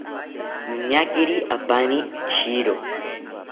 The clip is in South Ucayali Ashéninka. Noñakiri apaani shiro